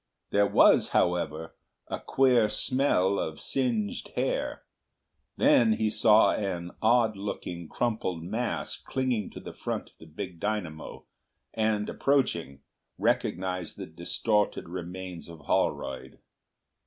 There was, however, a queer smell of singed hair. Then he saw an odd looking crumpled mass clinging to the front of the big dynamo, and, approaching, recognised the distorted remains of Holroyd.